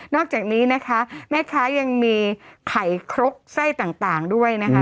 อกจากนี้นะคะแม่ค้ายังมีไข่ครกไส้ต่างด้วยนะคะ